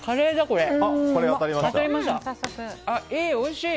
おいしい！